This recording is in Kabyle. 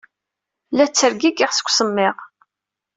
La ttergigiɣ seg usemmiḍ.